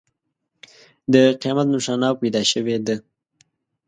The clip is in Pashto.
د قیامت نښانه پیدا شوې ده.